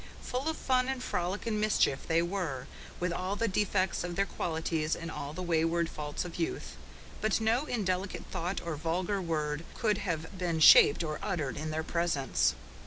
Full of fun and frolic and mischief they were, with all the defects of their qualities and all the wayward faults of youth. But no indelicate thought or vulgar word could have been shaped or uttered in their presence.